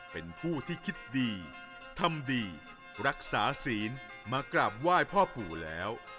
เป็นผู้ที่คิดดีทำดีรักษาศีลมากราบไหว้พ่อปู่แล้ว